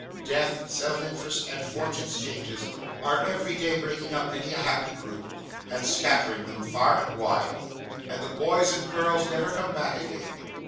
Death, self interest, and fortune's changes, are every day breaking up many a happy group, and scattering them far and wide; and the boys and girls never come back again.